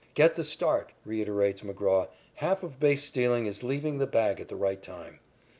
"Get the start," reiterates McGraw. "Half of base stealing is leaving the bag at the right time.